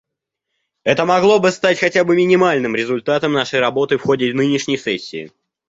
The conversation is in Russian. Это могло бы стать хотя бы минимальным результатом нашей работы в ходе нынешней сессии.